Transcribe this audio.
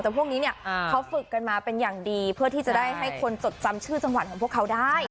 แต่พวกนี้เนี่ยเขาฝึกกันมาเป็นอย่างดีเพื่อที่จะได้ให้คนจดจำชื่อจังหวัดของพวกเขาได้